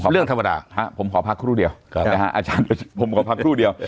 เรื่องธรรมดาผมขอพักครู่เดียวอาจารย์ผมขอพักครู่เดียว